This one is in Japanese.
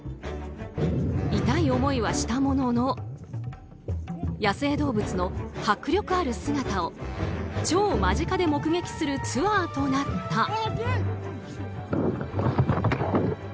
痛い思いはしたものの野生動物の迫力ある姿を超間近で目撃するツアーとなった。